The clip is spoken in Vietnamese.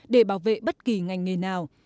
để bảo vệ bất kỳ ngành nghề nào